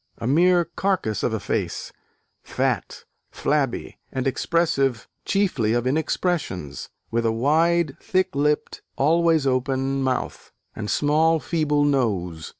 a mere carcase of a face; fat, flabby, and expressive chiefly of inexpressions," with a wide, thick lipped, always open mouth, and small feeble nose.